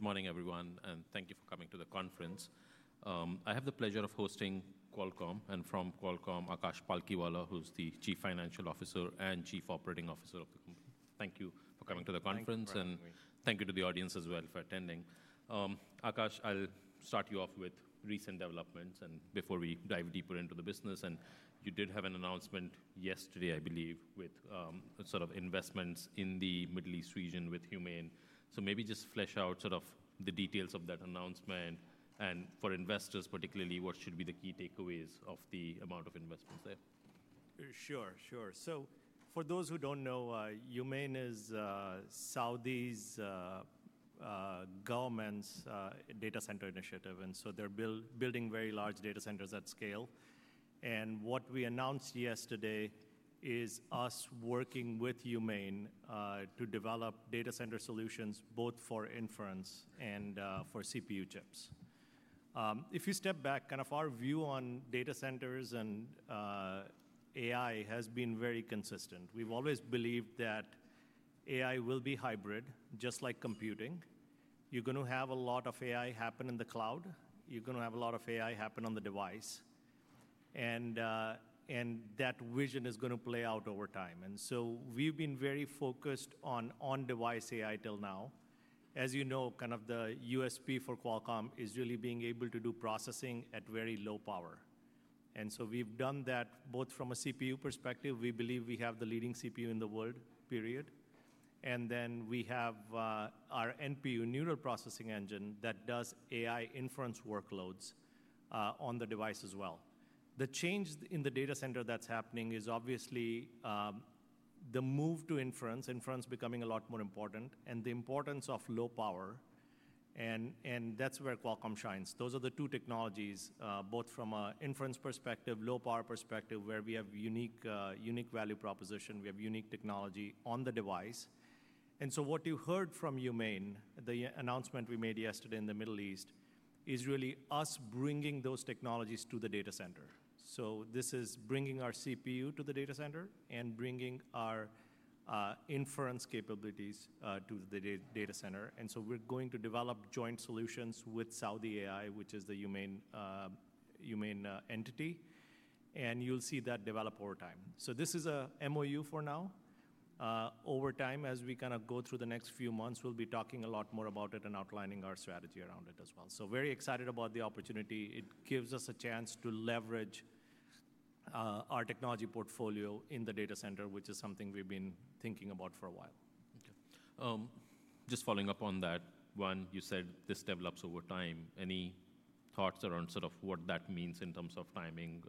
Good morning, everyone, and thank you for coming to the conference. I have the pleasure of hosting Qualcomm and from Qualcomm, Akash Palkhiwala, who's the Chief Financial Officer and Chief Operating Officer of the company. Thank you for coming to the conference, and thank you to the audience as well for attending. Akash, I'll start you off with recent developments before we dive deeper into the business. You did have an announcement yesterday, I believe, with sort of investments in the Middle East region with HUMAIN. So maybe just flesh out sort of the details of that announcement, and for investors particularly, what should be the key takeaways of the amount of investments there? Sure, sure. For those who don't know, HUMAIN is Saudi's government's data center initiative, and they are building very large data centers at scale. What we announced yesterday is us working with HUMAIN to develop data center solutions both for inference and for CPU chips. If you step back, kind of our view on data centers and AI has been very consistent. We've always believed that AI will be hybrid, just like computing. You're going to have a lot of AI happen in the cloud. You're going to have a lot of AI happen on the device. That vision is going to play out over time. We have been very focused on on-device AI till now. As you know, kind of the USP for Qualcomm is really being able to do processing at very low power. We have done that both from a CPU perspective. We believe we have the leading CPU in the world, period. And then we have our NPU, Neural Processing Engine, that does AI inference workloads on the device as well. The change in the data center that's happening is obviously the move to inference, inference becoming a lot more important, and the importance of low power. That's where Qualcomm shines. Those are the two technologies, both from an inference perspective, low power perspective, where we have unique value proposition. We have unique technology on the device. What you heard from HUMAIN, the announcement we made yesterday in the Middle East, is really us bringing those technologies to the data center. This is bringing our CPU to the data center and bringing our inference capabilities to the data center and so We're going to develop joint solutions with Saudi AI, which is the HUMAIN entity, and You'll see that develop over time. This is a MoU for now. Over time, as we kind of go through the next few months, we'll be talking a lot more about it and outlining our strategy around it as well. Very excited about the opportunity. It gives us a chance to leverage our technology portfolio in the data center, which is something we've been thinking about for a while. Just following up on that one, you said this develops over time. Any thoughts around sort of what that means in terms of timing?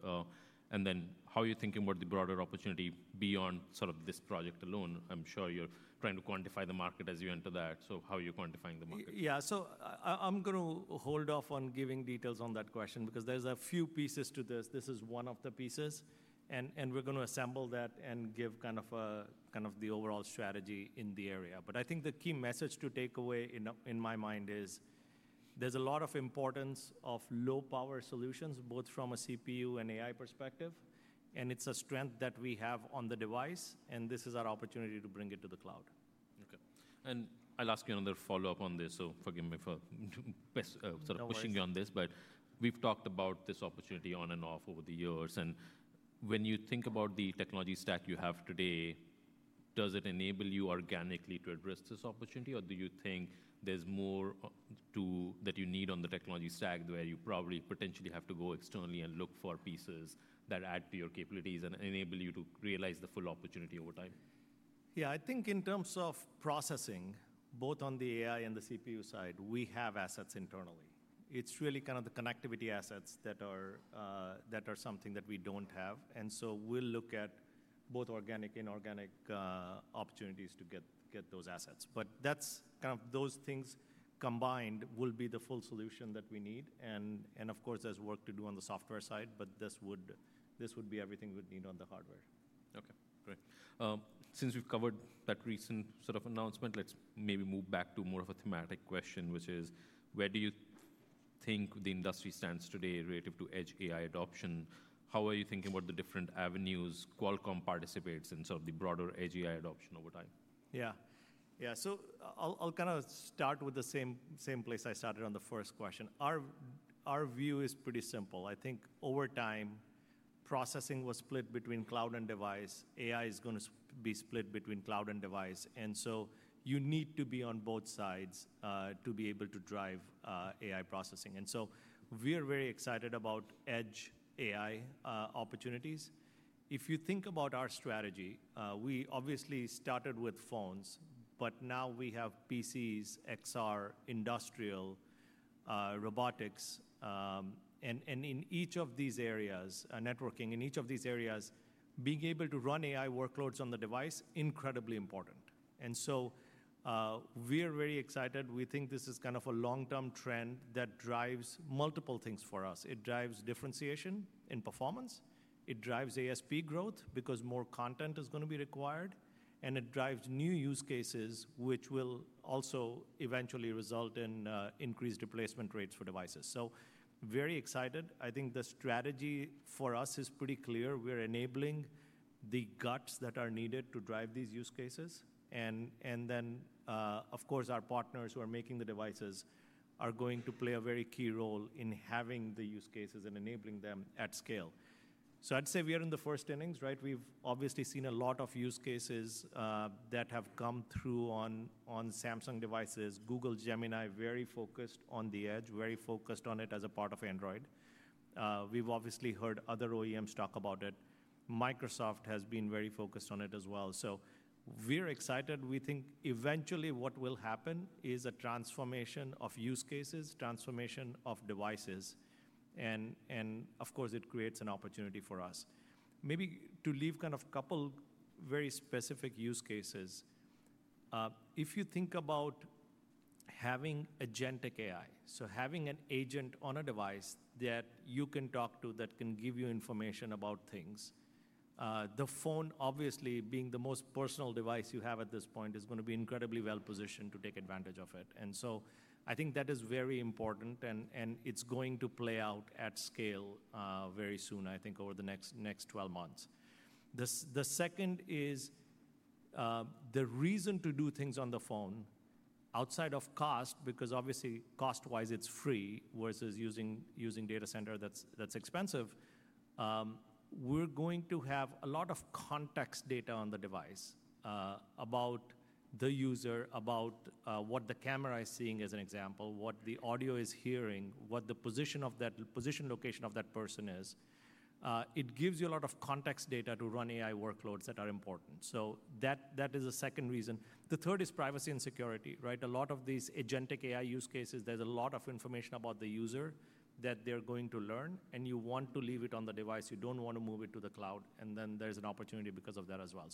How are you thinking about the broader opportunity beyond sort of this project alone? I'm sure you're trying to quantify the market as you enter that. How are you quantifying the market? Yeah, so I'm going to hold off on giving details on that question because there's a few pieces to this. This is one of the pieces. We're going to assemble that and give kind of the overall strategy in the area. I think the key message to take away in my mind is there's a lot of importance of low power solutions, both from a CPU and AI perspective and It's a strength that we have on the device and This is our opportunity to bring it to the cloud. I'll ask you another follow-up on this. Forgive me for sort of pushing you on this. We've talked about this opportunity on and off over the years. When you think about the technology stack you have today, does it enable you organically to address this opportunity? Do you think there's more that you need on the technology stack where you probably potentially have to go externally and look for pieces that add to your capabilities and enable you to realize the full opportunity over time? Yeah, I think in terms of processing, both on the AI and the CPU side, we have assets internally. It's really kind of the connectivity assets that are something that we don't have. We'll look at both organic and inorganic opportunities to get those assets. That kind of those things combined will be the full solution that we need. Of course, there's work to do on the software side, but this would be everything we'd need on the hardware. Okay, great. Since we've covered that recent sort of announcement, let's maybe move back to more of a thematic question, which is, where do you think the industry stands today relative to edge AI adoption? How are you thinking about the different avenues Qualcomm participates in sort of the broader edge AI adoption over time? Yeah, yeah. I'll kind of start with the same place I started on the first question. Our view is pretty simple. I think over time, processing was split between cloud and device. AI is going to be split between cloud and device. You need to be on both sides to be able to drive AI processing. We are very excited about edge AI opportunities. If you think about our strategy, we obviously started with phones, but now we have PCs, XR, industrial, robotics. In each of these areas, networking, in each of these areas, being able to run AI workloads on the device is incredibly important and so We are very excited. We think this is kind of a long-term trend that drives multiple things for us. It drives differentiation in performance. It drives ASP growth because more content is going to be required. It drives new use cases, which will also eventually result in increased replacement rates for devices so Very excited. I think the strategy for us is pretty clear. We're enabling the guts that are needed to drive these use cases. Our partners who are making the devices are going to play a very key role in having the use cases and enabling them at scale. I'd say we are in the first innings, right? We've obviously seen a lot of use cases that have come through on Samsung devices, Google Gemini, very focused on the edge, very focused on it as a part of Android. We've obviously heard other OEMs talk about it. Microsoft has been very focused on it as well. We're excited. We think eventually what will happen is a transformation of use cases, transformation of devices. Of course, it creates an opportunity for us. Maybe to leave kind of a couple of very specific use cases. If you think about having AI, so having an agent on a device that you can talk to that can give you information about things, the phone, obviously, being the most personal device you have at this point, is going to be incredibly well positioned to take advantage of it. I think that is very important. It's going to play out at scale very soon, I think, over the next 12 months. The second is the reason to do things on the phone outside of cost, because obviously, cost-wise, it's free versus using data center that's expensive. We're going to have a lot of context data on the device about the user, about what the camera is seeing, as an example, what the audio is hearing, what the position location of that person is. It gives you a lot of context data to run AI workloads that are important. That is a 2nd reason. The 3rd is privacy and security, right? A lot of these AI use cases, there's a lot of information about the user that they're going to learn. You want to leave it on the device. You don't want to move it to the cloud. There is an opportunity because of that as well.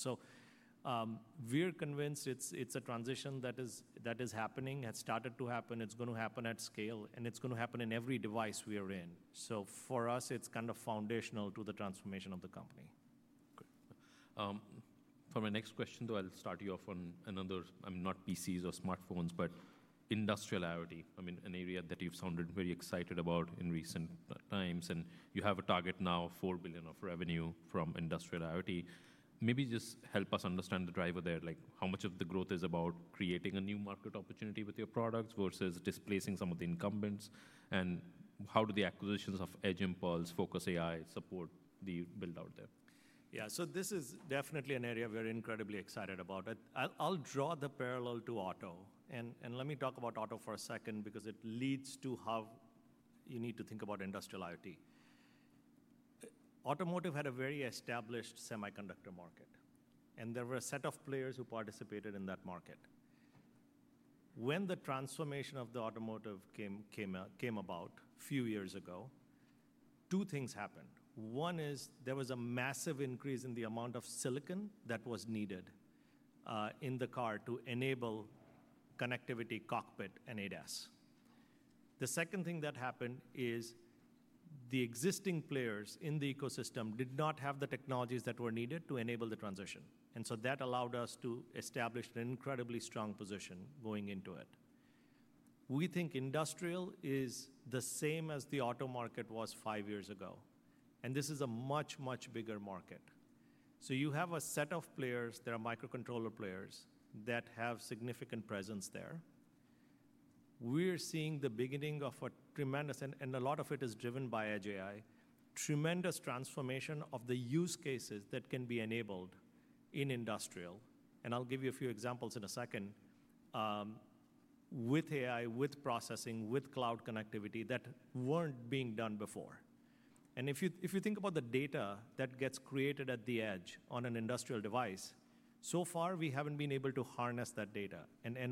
We're convinced it's a transition that is happening, has started to happen. It's going to happen at scale. It's going to happen in every device we are in. For us, it's kind of foundational to the transformation of the company. For my next question, though, I'll start you off on another, I mean, not PCs or smartphones, but industrial IoT. I mean, an area that you've sounded very excited about in recent times. And you have a target now of $4 billion of revenue from industrial IoT. Maybe just help us understand the driver there. How much of the growth is about creating a new market opportunity with your products versus displacing some of the incumbents? And how do the acquisitions of Edge Impulse, Focus AI support the build-out there? Yeah, so this is definitely an area we're incredibly excited about. I'll draw the parallel to auto. Let me talk about auto for a second because it leads to how you need to think about industrial IoT. Automotive had a very established semiconductor market. There were a set of players who participated in that market. When the transformation of the automotive came about a few years ago, two things happened. One is there was a massive increase in the amount of silicon that was needed in the car to enable connectivity, cockpit, and ADAS. The 2nd thing that happened is the existing players in the ecosystem did not have the technologies that were needed to enable the transition. That allowed us to establish an incredibly strong position going into it. We think industrial is the same as the auto market was five years ago. This is a much, much bigger market, so You have a set of players. There are microcontroller players that have significant presence there. We're seeing the beginning of a tremendous, and a lot of it is driven by edge AI, tremendous transformation of the use cases that can be enabled in industrial. I'll give you a few examples in a second with AI, with processing, with cloud connectivity that were not being done before. If you think about the data that gets created at the edge on an industrial device, so far, we have not been able to harness that data.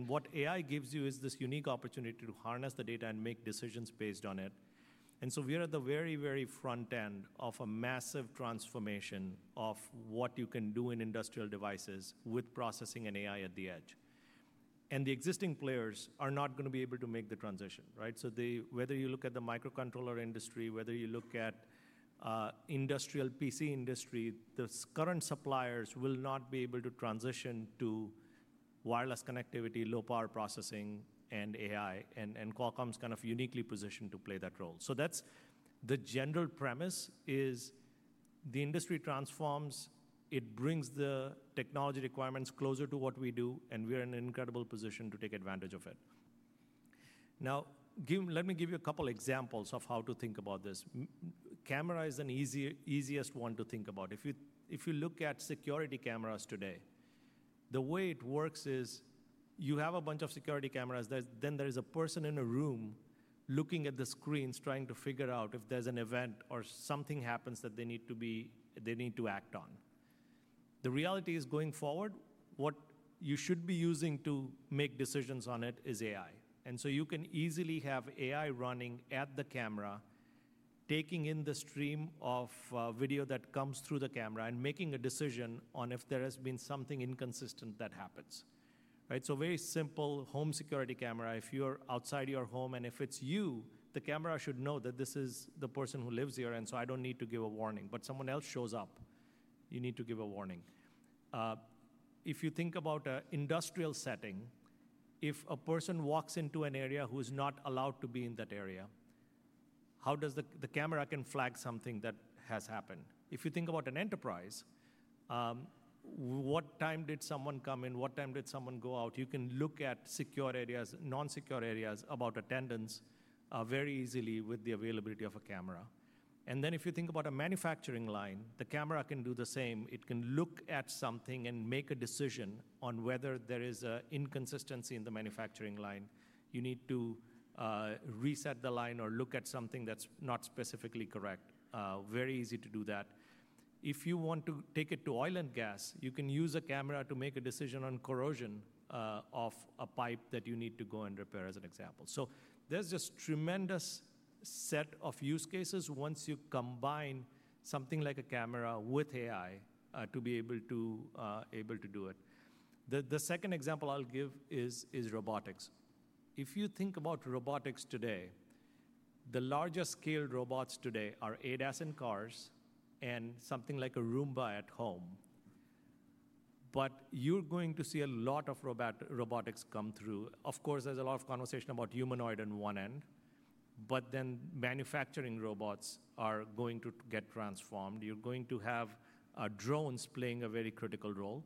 What AI gives you is this unique opportunity to harness the data and make decisions based on it. We are at the very, very front end of a massive transformation of what you can do in industrial devices with processing and AI at the edge. The existing players are not going to be able to make the transition, right? Whether you look at the microcontroller industry or the industrial PC industry, the current suppliers will not be able to transition to wireless connectivity, low power processing, and AI and Qualcomm's kind of uniquely positioned to play that role. The general premise is the industry transforms. It brings the technology requirements closer to what we do and We are in an incredible position to take advantage of it. Now, let me give you a couple of examples of how to think about this. Camera is the easiest one to think about. If you look at security cameras today, the way it works is you have a bunch of security cameras. There is a person in a room looking at the screens, trying to figure out if there's an event or something happens that they need to act on. The reality is going forward, what you should be using to make decisions on it is AI. You can easily have AI running at the camera, taking in the stream of video that comes through the camera and making a decision on if there has been something inconsistent that happens. Very simple home security camera. If you're outside your home, and if it's you, the camera should know that this is the person who lives here. I don't need to give a warning. Someone else shows up, you need to give a warning. If you think about an industrial setting, if a person walks into an area who is not allowed to be in that area, the camera can flag something that has happened. If you think about an enterprise, what time did someone come in? What time did someone go out? You can look at secure areas, non-secure areas, about attendance very easily with the availability of a camera. If you think about a manufacturing line, the camera can do the same. It can look at something and make a decision on whether there is an inconsistency in the manufacturing line. You need to reset the line or look at something that's not specifically correct. Very easy to do that. If you want to take it to oil and gas, you can use a camera to make a decision on corrosion of a pipe that you need to go and repair, as an example. There is just a tremendous set of use cases once you combine something like a camera with AI to be able to do it. The 2nd example I'll give is robotics. If you think about robotics today, the largest scale robots today are ADAS and cars and something like a Roomba at home. You are going to see a lot of robotics come through. Of course, there is a lot of conversation about humanoid on one end. Manufacturing robots are going to get transformed. You are going to have drones playing a very critical role.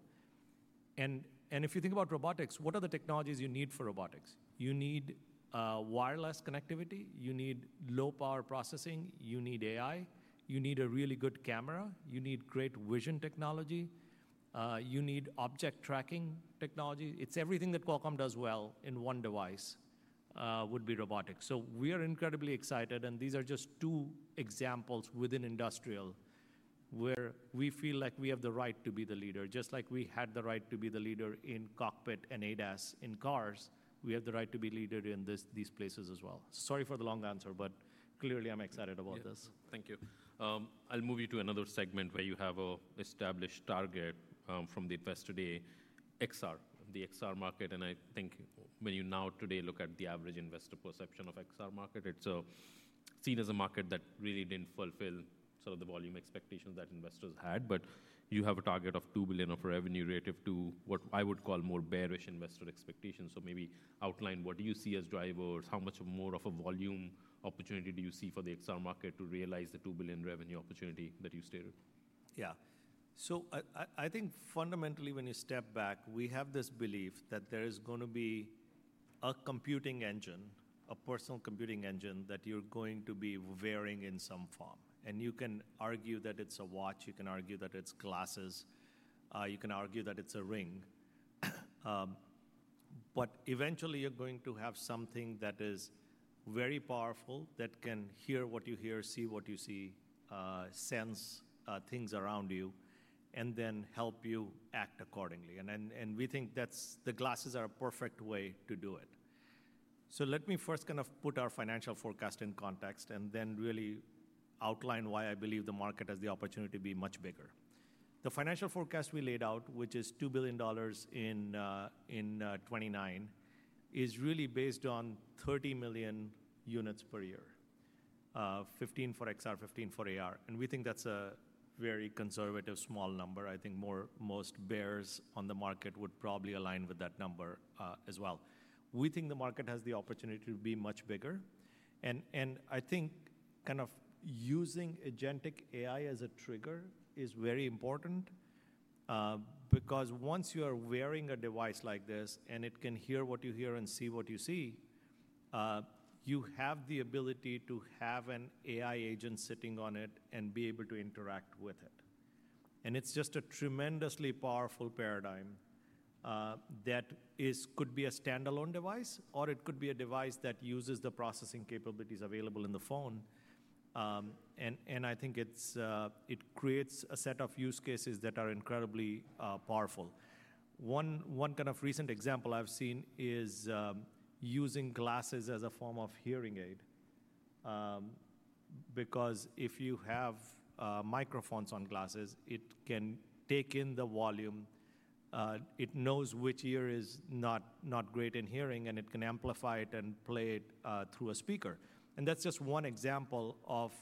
If you think about robotics, what are the technologies you need for robotics? You need wireless connectivity. You need low power processing. You need AI. You need a really good camera. You need great vision technology. You need object tracking technology. It is everything that Qualcomm does well in one device would be robotics. We are incredibly excited. These are just two examples within industrial where we feel like we have the right to be the leader, just like we had the right to be the leader in cockpit and ADAS in cars. We have the right to be leaders in these places as well. Sorry for the long answer, but clearly I am excited about this. Thank you. I'll move you to another segment where you have an established target from the investor today, XR, the XR market. I think when you now today look at the average investor perception of the XR market, it's seen as a market that really didn't fulfill sort of the volume expectations that investors had. You have a target of $2 billion of revenue relative to what I would call more bearish investor expectations. Maybe outline what do you see as drivers? How much more of a volume opportunity do you see for the XR market to realize the $2 billion revenue opportunity that you stated? Yeah. So I think fundamentally, when you step back, we have this belief that there is going to be a computing engine, a personal computing engine that you're going to be wearing in some form. You can argue that it's a watch. You can argue that it's glasses. You can argue that it's a ring. Eventually, you're going to have something that is very powerful that can hear what you hear, see what you see, sense things around you, and then help you act accordingly. We think that the glasses are a perfect way to do it. Let me first kind of put our financial forecast in context and then really outline why I believe the market has the opportunity to be much bigger. The financial forecast we laid out, which is $2 billion in 2029, is really based on 30 million units per year, 15 for XR, 15 for AR. We think that's a very conservative small number. I think most bears on the market would probably align with that number as well. We think the market has the opportunity to be much bigger. I think kind of using Agentic AI as a trigger is very important because once you are wearing a device like this and it can hear what you hear and see what you see, you have the ability to have an AI agent sitting on it and be able to interact with it. It's just a tremendously powerful paradigm that could be a standalone device, or it could be a device that uses the processing capabilities available in the phone. I think it creates a set of use cases that are incredibly powerful. One kind of recent example I've seen is using glasses as a form of hearing aid because if you have microphones on glasses, it can take in the volume. It knows which ear is not great in hearing. It can amplify it and play it through a speaker. That's just one example of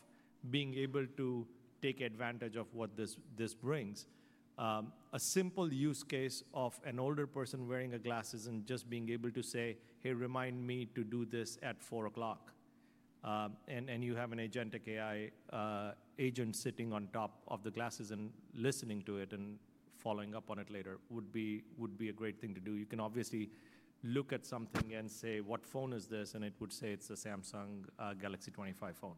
being able to take advantage of what this brings. A simple use case of an older person wearing glasses and just being able to say, "Hey, remind me to do this at 4:00." You have an Agentic AI agent sitting on top of the glasses and listening to it and following up on it later would be a great thing to do. You can obviously look at something and say, "What phone is this?" and it would say it's a Samsung Galaxy 25 phone.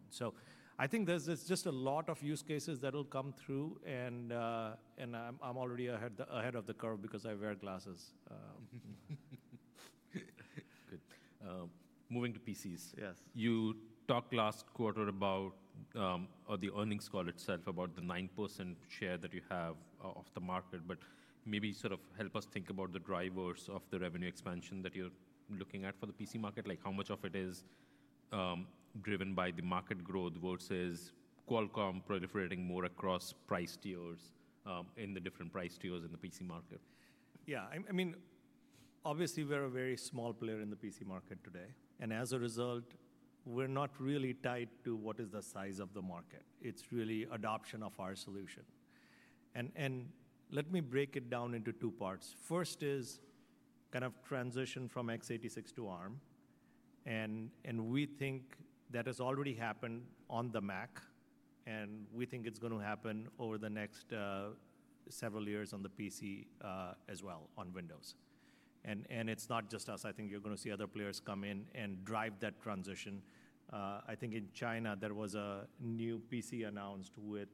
I think there's just a lot of use cases that will come through. I'm already ahead of the curve because I wear glasses. Moving to PCs. Yes. You talked last quarter about the earnings call itself, about the 9% share that you have of the market. Maybe sort of help us think about the drivers of the revenue expansion that you're looking at for the PC market, like how much of it is driven by the market growth versus Qualcomm proliferating more across price tiers in the different price tiers in the PC market. Yeah. I mean, obviously, we're a very small player in the PC market today. As a result, we're not really tied to what is the size of the market. It's really adoption of our solution. Let me break it down into two parts. 1st is kind of transition from x86 to ARM. We think that has already happened on the Mac. We think it's going to happen over the next several years on the PC as well on Windows. It's not just us. I think you're going to see other players come in and drive that transition. I think in China, there was a new PC announced with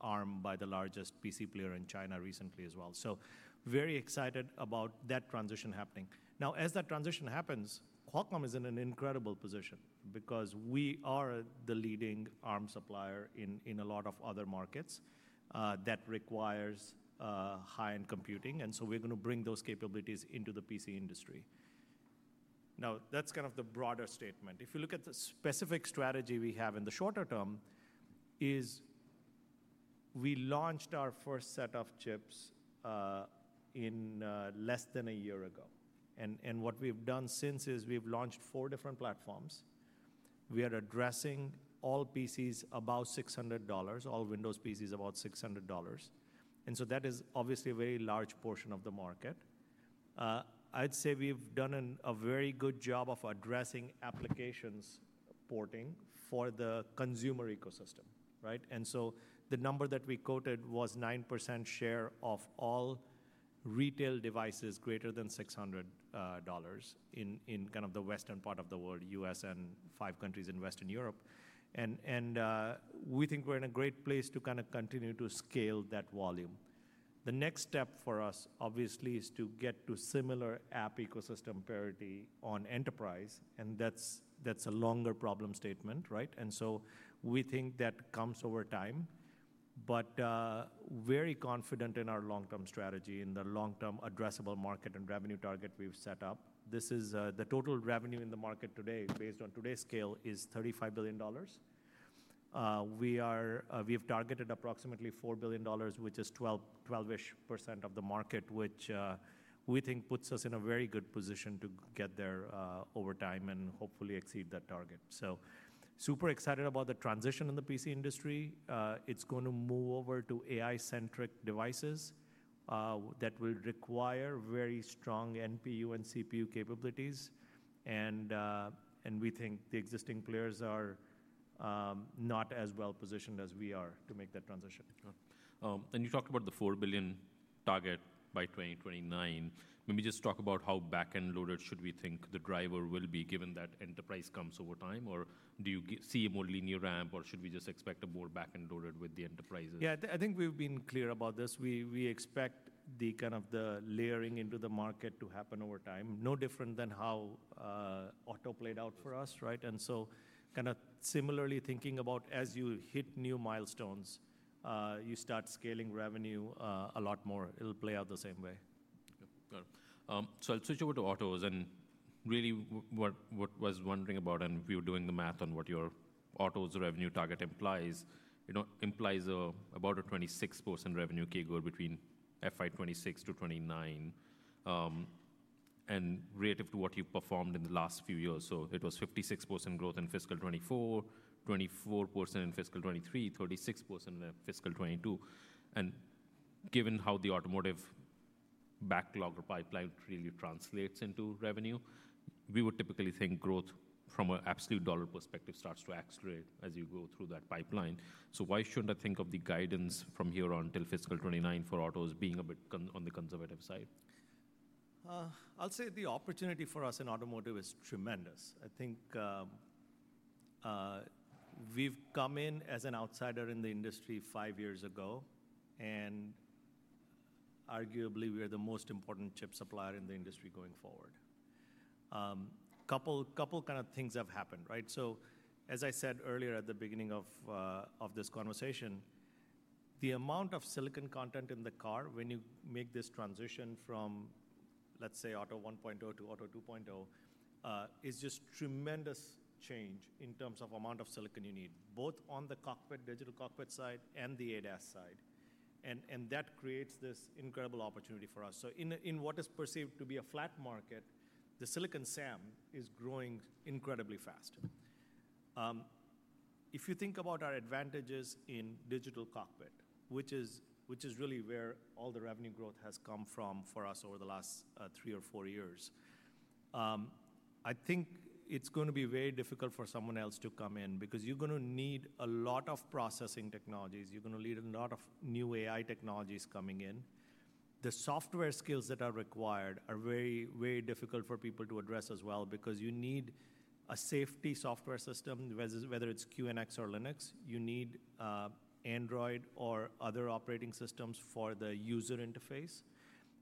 ARM by the largest PC player in China recently as well so Very excited about that transition happening. Now, as that transition happens, Qualcomm is in an incredible position because we are the leading ARM supplier in a lot of other markets that require high-end computing. We are going to bring those capabilities into the PC industry. That is kind of the broader statement. If you look at the specific strategy we have in the shorter term, we launched our first set of chips in less than a year ago. What we have done since is we have launched four different platforms. We are addressing all PCs about $600, all Windows PCs about $600. That is obviously a very large portion of the market. I'd say we have done a very good job of addressing applications porting for the consumer ecosystem, right? The number that we quoted was 9% share of all retail devices greater than $600 in kind of the western part of the world, U.S. and five countries in Western Europe. We think we're in a great place to kind of continue to scale that volume. The next step for us, obviously, is to get to similar app ecosystem parity on enterprise. That's a longer problem statement, right? and so We think that comes over time but Very confident in our long-term strategy, in the long-term addressable market and revenue target we've set up. The total revenue in the market today, based on today's scale, is $35 billion. We have targeted approximately $4 billion, which is 12% of the market, which we think puts us in a very good position to get there over time and hopefully exceed that target so Super excited about the transition in the PC industry. It's going to move over to AI-centric devices that will require very strong NPU and CPU capabilities. We think the existing players are not as well positioned as we are to make that transition. You talked about the $4 billion target by 2029. Maybe just talk about how back-end loaded should we think the driver will be given that enterprise comes over time? Do you see a more linear ramp? Should we just expect a more back-end loaded with the enterprises? Yeah. I think we've been clear about this. We expect kind of the layering into the market to happen over time, no different than how auto played out for us, right? Kind of similarly thinking about as you hit new milestones, you start scaling revenue a lot more. It'll play out the same way. Got it. I'll switch over to autos. Really what I was wondering about, if you were doing the math on what your autos revenue target implies, it implies about a 26% revenue CAGR between FY 2026-2029 and relative to what you performed in the last few years. It was 56% growth in fiscal 2024, 24% in fiscal 2023, 36% in fiscal 2022. Given how the automotive backlog or pipeline really translates into revenue, we would typically think growth from an absolute dollar perspective starts to accelerate as you go through that pipeline. Why shouldn't I think of the guidance from here on until fiscal 2029 for autos being a bit on the conservative side? I'll say the opportunity for us in automotive is tremendous. I think we've come in as an outsider in the industry five years ago. Arguably, we are the most important chip supplier in the industry going forward. A couple of kind of things have happened, right? As I said earlier at the beginning of this conversation, the amount of silicon content in the car when you make this transition from, let's say, auto 1.0 to auto 2.0 is just a tremendous change in terms of the amount of silicon you need, both on the digital cockpit side and the ADAS side. That creates this incredible opportunity for us. In what is perceived to be a flat market, the silicon SAM is growing incredibly fast. If you think about our advantages in digital cockpit, which is really where all the revenue growth has come from for us over the last three or four years, I think it's going to be very difficult for someone else to come in because you're going to need a lot of processing technologies. You're going to need a lot of new AI technologies coming in. The software skills that are required are very, very difficult for people to address as well because you need a safety software system, whether it's QNX or Linux. You need Android or other operating systems for the user interface.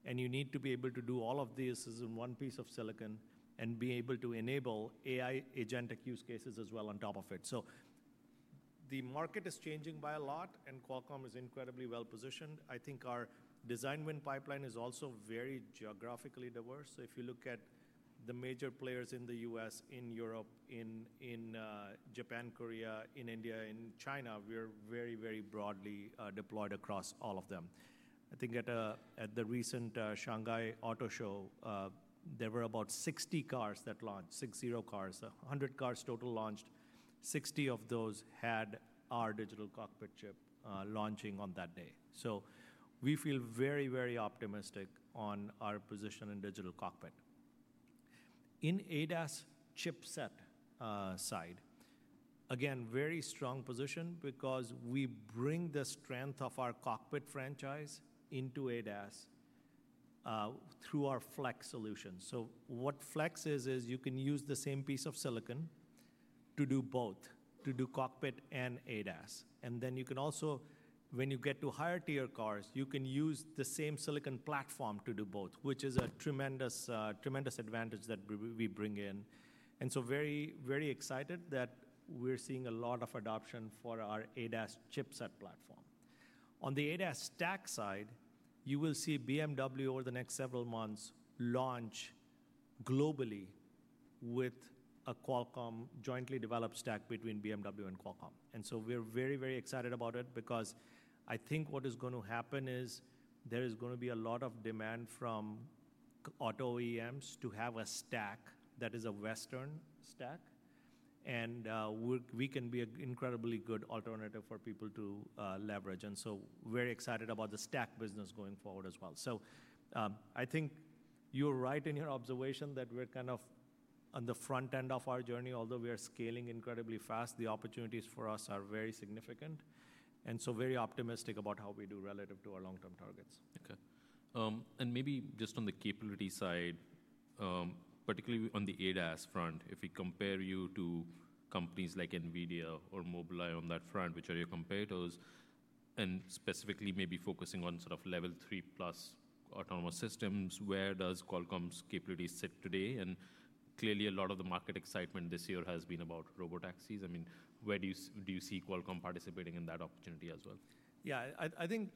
You need to be able to do all of this as one piece of silicon and be able to enable AI Agentic use cases as well on top of it. The market is changing by a lot. Qualcomm is incredibly well positioned. I think our design win pipeline is also very geographically diverse. If you look at the major players in the U.S., in Europe, in Japan, Korea, in India, in China, we are very, very broadly deployed across all of them. I think at the recent Shanghai Auto Show, there were about 60 cars that launched, six zero cars. 100 cars total launched. 60 of those had our digital cockpit chip launching on that day. We feel very, very optimistic on our position in digital cockpit. In ADAS chip set side, again, very strong position because we bring the strength of our cockpit franchise into ADAS through our flex solutions. What flex is, is you can use the same piece of silicon to do both, to do cockpit and ADAS. You can also, when you get to higher tier cars, use the same silicon platform to do both, which is a tremendous advantage that we bring in. Very, very excited that we're seeing a lot of adoption for our ADAS chip set platform. On the ADAS stack side, you will see BMW over the next several months launch globally with a Qualcomm jointly developed stack between BMW and Qualcomm and so we are very, very excited about it because I think what is going to happen is there is going to be a lot of demand from auto OEMs to have a stack that is a Western stack and We can be an incredibly good alternative for people to leverage and so Very excited about the stack business going forward as well. I think you're right in your observation that we're kind of on the front end of our journey. Although we are scaling incredibly fast, the opportunities for us are very significant. And so very optimistic about how we do relative to our long-term targets. Maybe just on the capability side, particularly on the ADAS front, if we compare you to companies like NVIDIA or Mobileye on that front, which are your competitors, and specifically maybe focusing on sort of level 3+ autonomous systems, where does Qualcomm's capabilities sit today? Clearly, a lot of the market excitement this year has been about robotaxis. I mean, do you see Qualcomm participating in that opportunity as well? Yeah. I think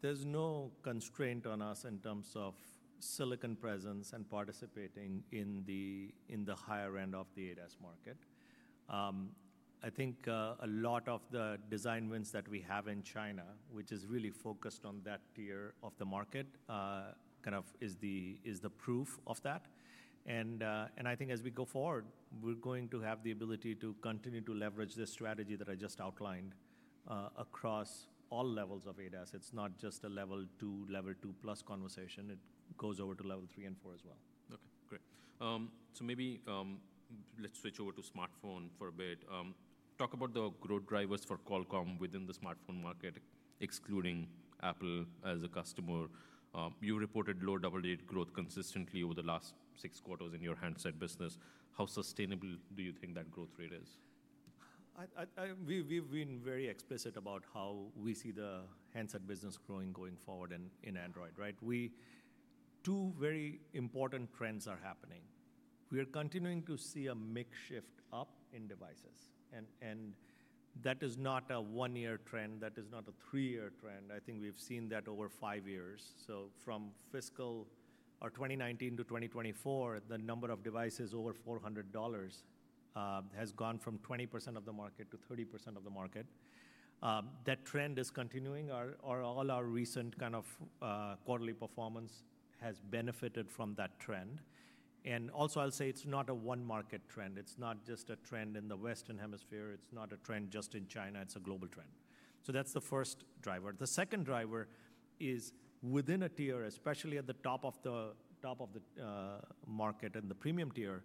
there's no constraint on us in terms of silicon presence and participating in the higher end of the ADAS market. I think a lot of the design wins that we have in China, which is really focused on that tier of the market, kind of is the proof of that. I think as we go forward, we're going to have the ability to continue to leverage this strategy that I just outlined across all levels of ADAS. It's not just a level 2, level 2+ conversation. It goes over to level 3 and 4 as well. OK. Great. Maybe let's switch over to smartphone for a bit. Talk about the growth drivers for Qualcomm within the smartphone market, excluding Apple as a customer. You reported low double-digit growth consistently over the last six quarters in your handset business. How sustainable do you think that growth rate is? We've been very explicit about how we see the handset business growing going forward in Android, right? Two very important trends are happening. We are continuing to see a mix shift up in devices. And that is not a one-year trend. That is not a three-year trend. I think we've seen that over five years. From fiscal 2019-2024, the number of devices over $400 has gone from 20% of the market to 30% of the market. That trend is continuing. All our recent kind of quarterly performance has benefited from that trend. Also, I'll say it's not a one-market trend. It's not just a trend in the Western hemisphere. It's not a trend just in China. It's a global trend. That's the 1st driver. The 2nd driver is within a tier, especially at the top of the market and the premium tier,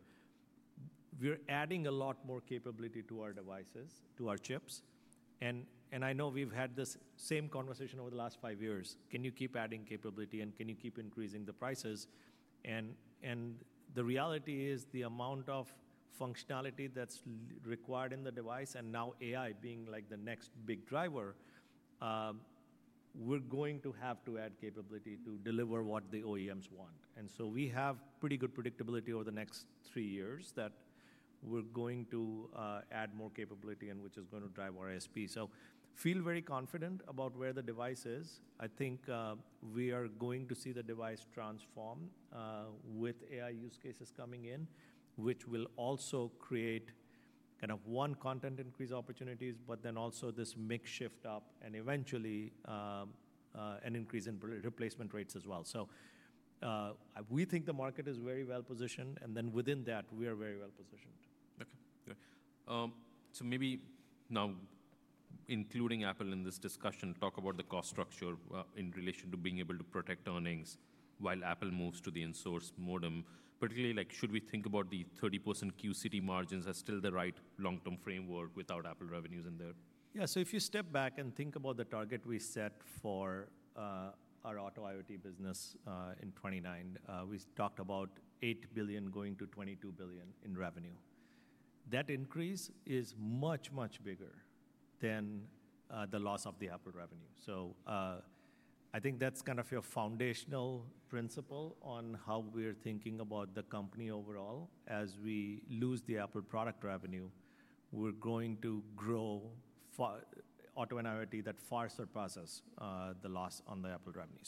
we're adding a lot more capability to our devices, to our chips. I know we've had this same conversation over the last five years. Can you keep adding capability? Can you keep increasing the prices? The reality is the amount of functionality that's required in the device, and now AI being like the next big driver, we're going to have to add capability to deliver what the OEMs want and so We have pretty good predictability over the next three years that we're going to add more capability, which is going to drive our ASP. I feel very confident about where the device is.I think we are going to see the device transform with AI use cases coming in, which will also create kind of one content increase opportunities, but then also this mix shift up and eventually an increase in replacement rates as well. We think the market is very well positioned. And then within that, we are very well positioned. OK. So maybe now, including Apple in this discussion, talk about the cost structure in relation to being able to protect earnings while Apple moves to the in-source modem. Particularly, should we think about the 30% QCD margins as still the right long-term framework without Apple revenues in there? Yeah. If you step back and think about the target we set for our auto IoT business in 2029, we talked about $8 billion going to $22 billion in revenue. That increase is much, much bigger than the loss of the Apple revenue. I think that's kind of your foundational principle on how we're thinking about the company overall. As we lose the Apple product revenue, we're going to grow auto and IoT that far surpasses the loss on the Apple revenue.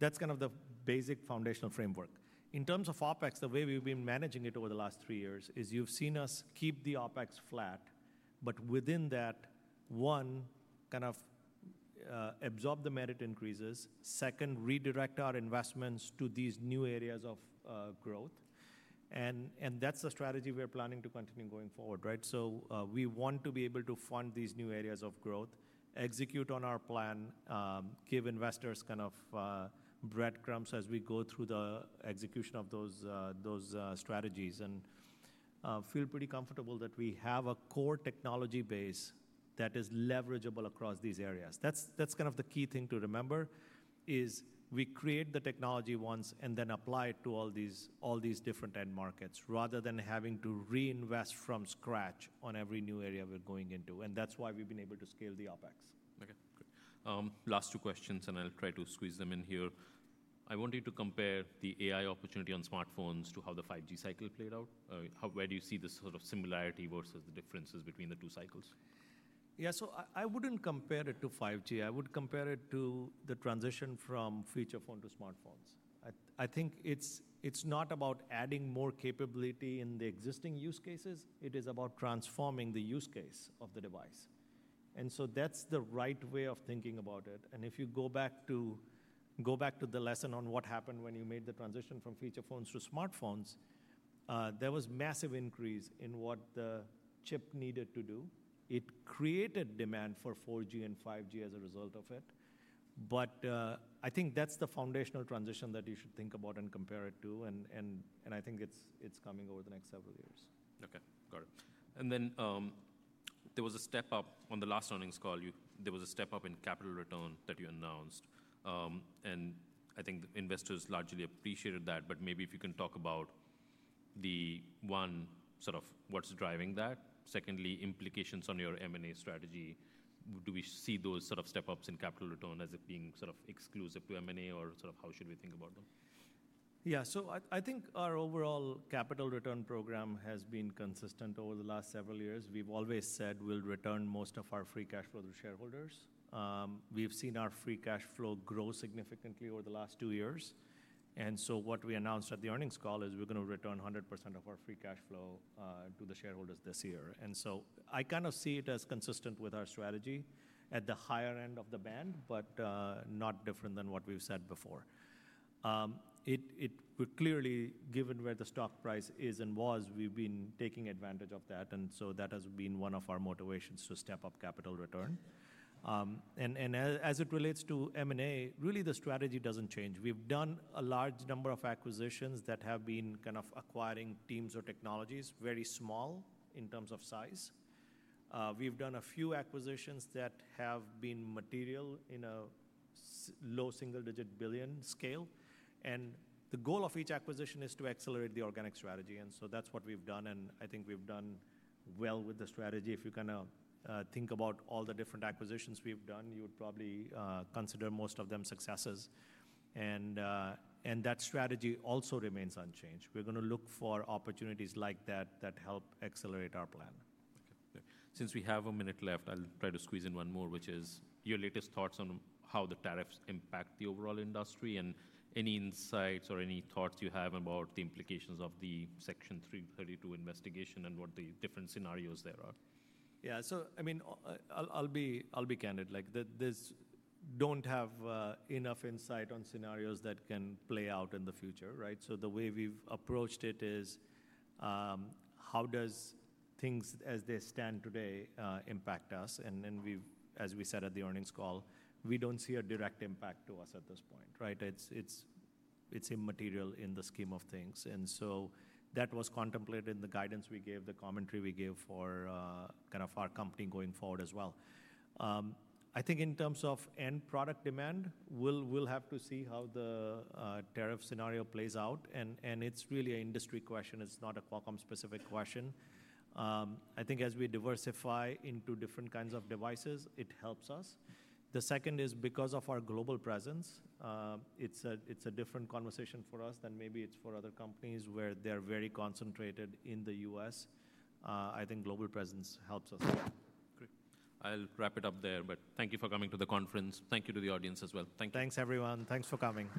That's kind of the basic foundational framework. In terms of OpEx, the way we've been managing it over the last three years is you've seen us keep the OpEx flat, but within that, one, kind of absorb the merit increases. Second, redirect our investments to these new areas of growth and That's the strategy we're planning to continue going forward, right? We want to be able to fund these new areas of growth, execute on our plan, give investors kind of breadcrumbs as we go through the execution of those strategies. I feel pretty comfortable that we have a core technology base that is leverageable across these areas. That's kind of the key thing to remember is we create the technology once and then apply it to all these different end markets rather than having to reinvest from scratch on every new area we're going into. That's why we've been able to scale the OpEx. OK. Last two questions, and I'll try to squeeze them in here. I want you to compare the AI opportunity on smartphones to how the 5G cycle played out. Where do you see the sort of similarity versus the differences between the two cycles? Yeah. I would not compare it to 5G. I would compare it to the transition from feature phone to smartphones. I think it is not about adding more capability in the existing use cases. It is about transforming the use case of the device. That is the right way of thinking about it and if you go back to the lesson on what happened when you made the transition from feature phones to smartphones, there was a massive increase in what the chip needed to do. It created demand for 4G and 5G as a result of it. I think that is the foundational transition that you should think about and compare it to. I think it is coming over the next several years. OK. Got it. There was a step up on the last earnings call. There was a step up in capital return that you announced. I think investors largely appreciated that. Maybe if you can talk about, one, sort of what's driving that. Secondly, implications on your M&A strategy. Do we see those sort of step-ups in capital return as it being sort of exclusive to M&A? Or sort of how should we think about them? Yeah. I think our overall capital return program has been consistent over the last several years. We've always said we'll return most of our free cash flow to shareholders. We've seen our free cash flow grow significantly over the last two years. What we announced at the earnings call is we're going to return 100% of our free cash flow to the shareholders this year. I kind of see it as consistent with our strategy at the higher end of the band, but not different than what we've said before. Clearly, given where the stock price is and was, we've been taking advantage of that. That has been one of our motivations to step up capital return. As it relates to M&A, really the strategy doesn't change. We've done a large number of acquisitions that have been kind of acquiring teams or technologies, very small in terms of size. We've done a few acquisitions that have been material in a low single-digit billion scale. The goal of each acquisition is to accelerate the organic strategy. That's what we've done. I think we've done well with the strategy. If you kind of think about all the different acquisitions we've done, you would probably consider most of them successes. That strategy also remains unchanged. We're going to look for opportunities like that that help accelerate our plan. Since we have a minute left, I'll try to squeeze in one more, which is your latest thoughts on how the tariffs impact the overall industry and any insights or any thoughts you have about the implications of the Section 332 investigation and what the different scenarios there are. Yeah. I mean, I'll be candid. I don't have enough insight on scenarios that can play out in the future, right? The way we've approached it is how do things as they stand today impact us? As we said at the earnings call, we don't see a direct impact to us at this point, right? It's immaterial in the scheme of things. That was contemplated in the guidance we gave, the commentary we gave for kind of our company going forward as well. I think in terms of end product demand, we'll have to see how the tariff scenario plays out. It's really an industry question. It's not a Qualcomm-specific question. I think as we diversify into different kinds of devices, it helps us. The second is because of our global presence.It's a different conversation for us than maybe it's for other companies where they're very concentrated in the U.S. I think global presence helps us. Great. I'll wrap it up there. Thank you for coming to the conference. Thank you to the audience as well. Thank you. Thanks, everyone. Thanks for coming.